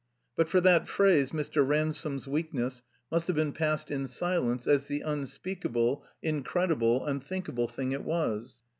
But for that phrase Mr. Ransome's weakness must have been passed in silence as the tmspeakable, in credible, tmthinkable thing it was.